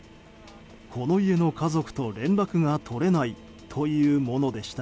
この家の家族と連絡が取れないというものでした。